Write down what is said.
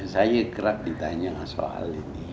saya kerap ditanya soal ini